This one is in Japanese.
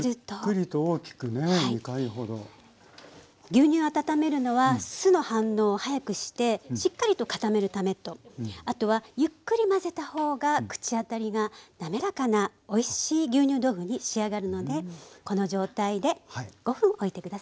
牛乳を温めるのは酢の反応をはやくしてしっかりと固めるためとあとはゆっくり混ぜた方が口当たりがなめらかなおいしい牛乳豆腐に仕上がるのでこの状態で５分おいて下さい。